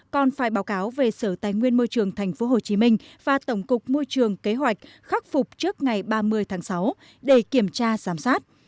còn phải báo cáo về sở tài nguyên môi trường tp hcm và tổng cục môi trường kế hoạch khắc phục trước ngày ba mươi tháng sáu để kiểm tra giám sát